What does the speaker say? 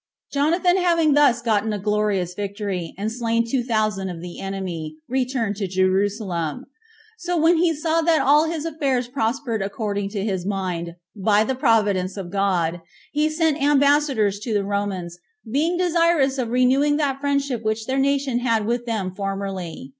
8. Jonathan having thus gotten a glorious victory, and slain two thousand of the enemy, returned to Jerusalem. So when he saw that all his affairs prospered according to his mind, by the providence of God, he sent ambassadors to the Romans, being desirous of renewing that friendship which their nation had with them formerly.